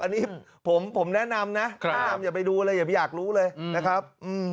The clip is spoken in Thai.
อันนี้ผมแนะนำนะแนะนำอย่าไปดูเลยอย่าไปอยากรู้เลยนะครับ